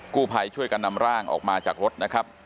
ผู้ภัยช่วยกันนำร่างออกมาจากรถนะครับ